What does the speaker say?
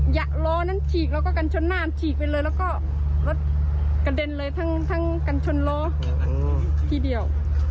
ล้อนั้นฉีกแล้วก็กันชนหน้าฉีกไปเลยแล้วก็รถกระเด็นเลยทั้งกันชนล้อทีเดียว